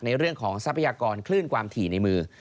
ในเรื่องของทรัพยากรคลื่นความถี่ในมือ